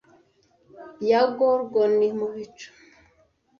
ya gorgon mu bicu